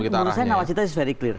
dan menurut saya nawas kita is very clear